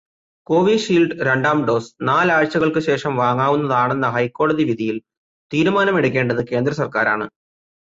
കോവിഷീല്ഡ് രണ്ടാം ഡോസ് നാലാഴ്ചകള്ക്കു ശേഷം വാങ്ങാവുന്നതാണെന്ന ഹൈക്കോടതി വിധിയില് തീരുമാനമെടുക്കേണ്ടത് കേന്ദ്ര സര്ക്കാരാണ്.